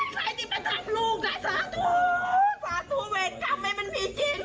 ใครที่มาทำลูกได้สาธุสาธุเวรกรรมให้มันมีจริง